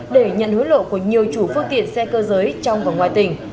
để nhận hối lộ của nhiều chủ phương tiện xe cơ giới trong và ngoài tỉnh